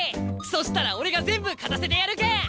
そしたら俺が全部勝たせてやるけん！